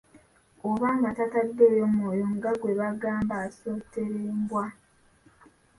Oba nga tataddeyo mwoyo nga gwe bagamba asottera embwa!